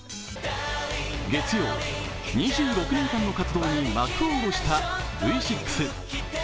月曜、２６年間の活動に幕を下ろしたＶ６。